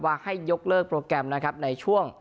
ให้ยกเลิกโปรแกรมนะครับในช่วง